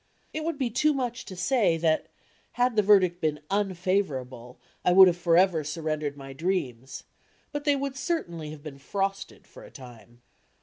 It would be too much to say that, had the verdict been unfavourable, I would have forever surrendered my dreams, but they would certainly have been frosted for a time.